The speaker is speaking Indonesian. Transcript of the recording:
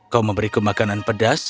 kau memberiku makanan pedas